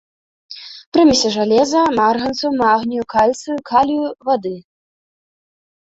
Прымесі жалеза, марганцу, магнію, кальцыю, калію, вады.